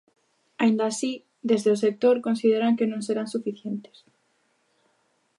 Aínda así, desde o sector consideran que non serán suficientes.